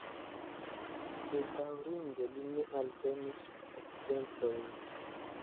Bedaŭrinde li ne aldonis ekzemplojn.